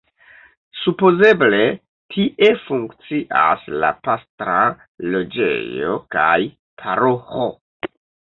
Supozeble tie funkcias la pastra loĝejo kaj paroĥo.